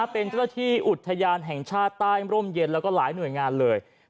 เป็นเจ้าหน้าที่อุทยานแห่งชาติใต้ร่มเย็นแล้วก็หลายหน่วยงานเลย